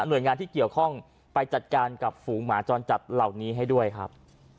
โดยงานที่เกี่ยวข้องไปจัดการกับฝูงหมาจรจัดเหล่านี้ให้ด้วยครับ